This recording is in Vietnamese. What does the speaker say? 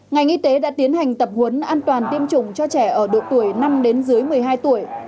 ngành y tế đã tiến hành tập huấn an toàn tiêm chủng cho trẻ ở độ tuổi năm đến dưới một mươi hai tuổi